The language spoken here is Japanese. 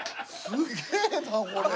すげえなこれ。